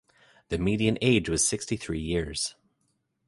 The median age was sixty-three years.